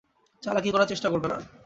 চালাকি করার চেষ্টা করবে না।